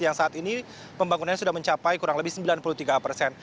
yang saat ini pembangunannya sudah mencapai kurang lebih sembilan puluh tiga persen